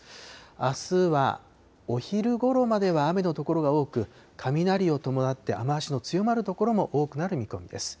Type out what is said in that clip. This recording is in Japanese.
あすはお昼ごろまでは雨の所が多く、雷を伴って雨足の強まる所も多くなる見込みです。